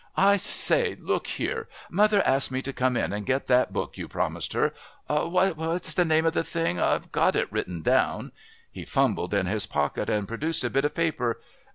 "I say, look here.... Mother asked me to come in and get that book you promised her. What's the name of the thing?...I've got it written down." He fumbled in his pocket and produced a bit of paper.